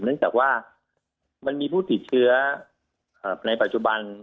เนื่องจากว่ามันมีผู้ติดเชื้อในปัจจุบัน